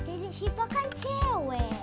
ini sipa kan cewek